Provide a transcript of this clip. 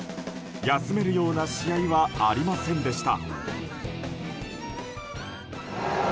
休めるような試合はありませんでした。